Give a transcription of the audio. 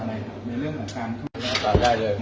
ส่วนของคดีของทางคุณบอยครับ